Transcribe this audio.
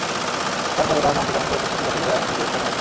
তার পরও তাঁর নাম-ঠিকানাসহ সবকিছু যাচাই করে আইনানুগ ব্যবস্থা নেওয়া হবে।